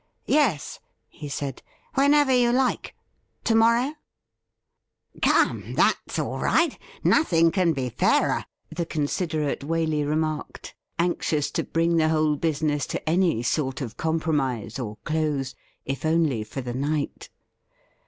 ' Yes,' he said. ' Whenever you like. To morrow ?'' Come, that's all right ; nothing can be fairer,' the con siderate Waley remarked, anxious to bring the whole busi ness to any soi t of compromise, or close, if only for the night.